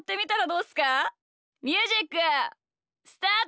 ミュージックスタート！